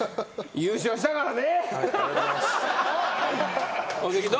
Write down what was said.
優勝したからね。